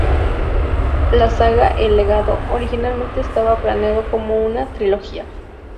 La saga "El legado" originalmente estaba planeada como una trilogía.